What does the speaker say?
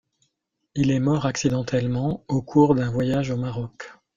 Il est mort accidentellement au cours d'un voyage au Maroc.